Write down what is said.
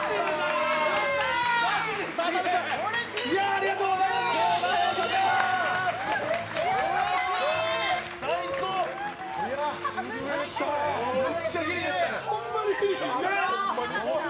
ありがとうございます。